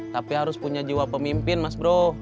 tapi harus punya jiwa pemimpin mas bro